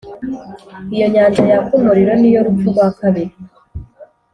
Iyo nyanja yaka umuriro ni yo rupfu rwa kabiri.